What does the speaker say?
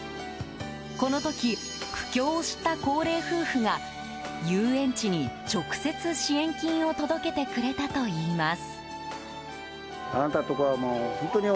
この時、苦境を知った高齢夫婦が遊園地に直接、支援金を届けてくれたといいます。